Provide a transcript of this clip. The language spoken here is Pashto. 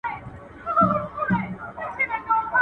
له کوم ځای له کوم کتابه یې راوړی.